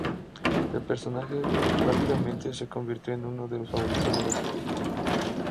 El personaje rápidamente se convirtió en uno de los favoritos de la serie.